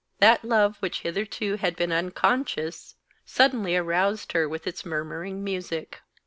That love of which hitherto she had been unconscious suddenly aroused her with its murmuring music.